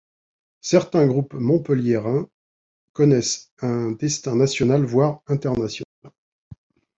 Certains groupes montpelliérain connaissent un destin national voire international.